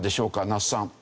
那須さん。